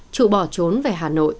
trụ bỏ trốn về hà nội